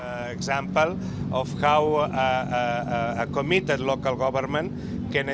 contohnya bagaimana pemerintah lokal yang berkomitmen